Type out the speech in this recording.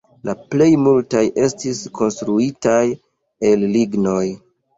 La plej multaj estis konstruitaj el lignoj.